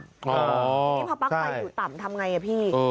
แล้วเวลาปลั๊กไฟอยู่ต่ำทำยังไง